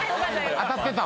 当たってた。